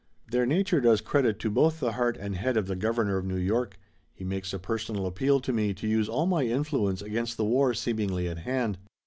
"Their nature does credit to both the heart and head of the Governor of New York. He makes a personal appeal to me to use all my influence against the war seemingly at hand.